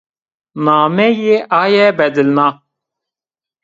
Nameyê aye bedilna